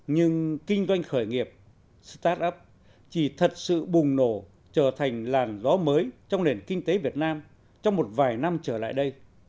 nhưng kinh doanh khởi nghiệp start up chỉ thật sự bùng nổ trở thành làn gió mới trong nền kinh tế việt nam trong một vài năm trở lại đây